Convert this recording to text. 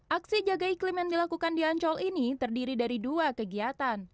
aksi jaga iklim yang dilakukan di ancol ini terdiri dari dua kegiatan